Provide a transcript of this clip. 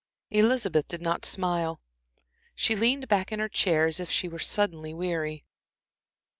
Elizabeth did not smile. She leaned back in her chair as if she were suddenly weary.